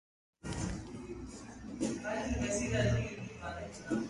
ټکټاک د ریښتیني تعامل پلاتفورم دی.